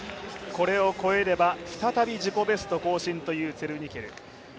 これを越えれば、再び自己ベスト更新というツェルニケル。